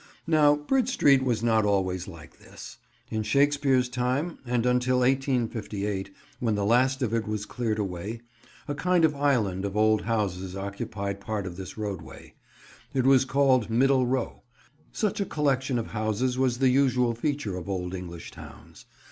Now Bridge Street was not always like this. In Shakespeare's time, and until 1858, when the last of it was cleared away, a kind of island of old houses occupied part of this roadway. It was called "Middle Row." Such a collection of houses was the usual feature of old English towns.